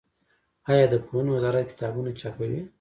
آیا د پوهنې وزارت کتابونه چاپوي؟